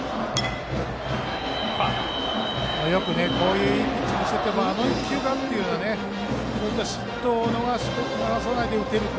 いいピッチングしててもあの１球がというようなそういった失投を逃さないで打てるか。